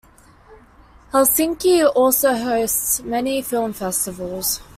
Helsinki also hosts many film festivals.